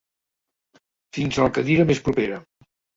Fins a la cadira més propera.